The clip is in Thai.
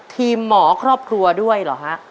ทีมหมอครอบครัวด้วยเหรอฮะ